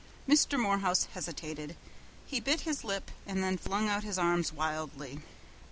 Mr. Morehouse hesitated. He bit his lip and then flung out his arms wildly.